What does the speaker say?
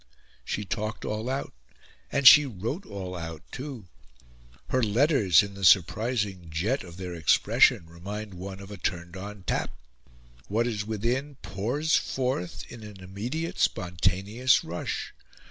She talked all out; and she wrote all out, too. Her letters, in the surprising jet of their expression, remind one of a turned on tap. What is within pours forth in an immediate, spontaneous rush.